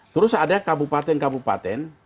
terus ada kabupaten kabupaten